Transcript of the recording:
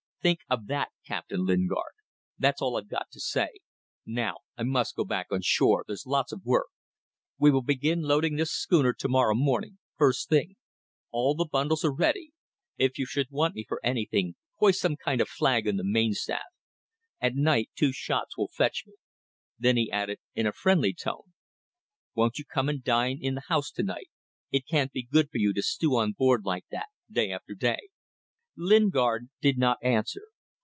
Think of that, Captain Lingard. That's all I've got to say. Now I must go back on shore. There's lots of work. We will begin loading this schooner to morrow morning, first thing. All the bundles are ready. If you should want me for anything, hoist some kind of flag on the mainmast. At night two shots will fetch me." Then he added, in a friendly tone, "Won't you come and dine in the house to night? It can't be good for you to stew on board like that, day after day." Lingard did not answer.